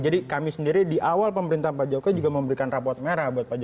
jadi kami sendiri di awal pemerintahan pak jokowi juga memberikan raporan merah